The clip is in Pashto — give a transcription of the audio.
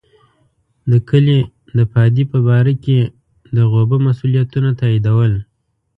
د کلي د پادې په باره کې د غوبه مسوولیتونه تاییدول.